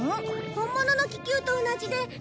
本物の気球と同じで風任せ！